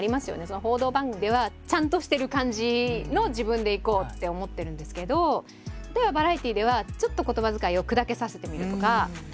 報道番組ではちゃんとしてる感じの自分でいこうって思ってるんですけど例えばバラエティーではちょっと言葉遣いを砕けさせてみるとか。